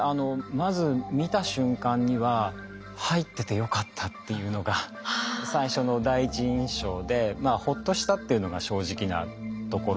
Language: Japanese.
まず見た瞬間には入っててよかったっていうのが最初の第一印象でまあほっとしたっていうのが正直なところですね。